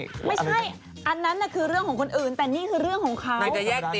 ไม่ใช่อันนั้นคือเรื่องของคนอื่นแต่นี่คือเรื่องของเขา